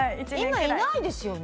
今いないですよね？